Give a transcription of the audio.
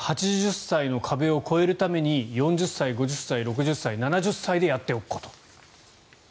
８０歳の壁を越えるために４０歳、５０歳、６０歳７０歳でやっておくこと。